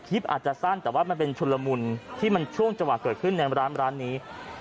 อาจจะสั้นแต่ว่ามันเป็นชุนละมุนที่มันช่วงจังหวะเกิดขึ้นในร้านนี้